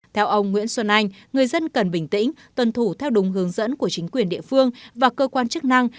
theo ông nguyễn xuân anh người dân cần bình tĩnh tuân thủ theo đúng hướng dẫn của chính quyền địa phương và cơ quan chức năng